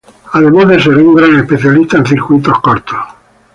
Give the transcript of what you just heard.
Además de ser un gran especialista en circuitos cortos.